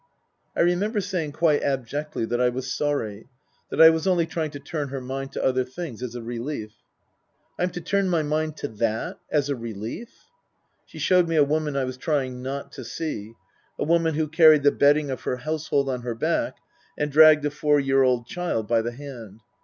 I remember saying quite abjectly that I was sorry that I was only trying to turn her mind to other things as a relief. " I'm to turn my mind to that as a relief !" She showed me a woman I was trying not to see, a woman who carried the bedding of her household on her back and dragged a four year old child by the hand.